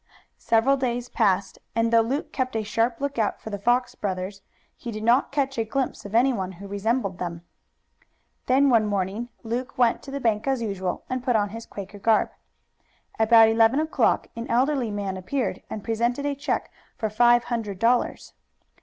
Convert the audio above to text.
Several days passed, and though Luke kept a sharp lookout for the Fox brothers he did not catch a glimpse of anyone who resembled them. Then one morning Luke went to the bank as usual and put on his Quaker garb. About eleven o'clock an elderly man appeared, and presented a check for five hundred dollars.